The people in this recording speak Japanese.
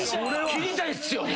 切りたいっすよね。